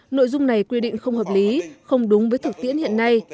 nội dung này quy định không hợp lý không đúng với thực tiễn hiện nay